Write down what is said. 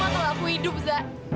percuma kalau aku hidup zak